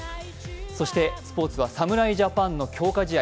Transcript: そしてスポーツは侍ジャパンの強化試合。